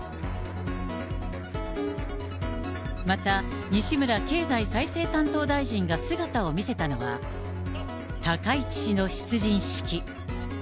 また西村経済再生担当大臣が姿を見せたのは、高市氏の出陣式。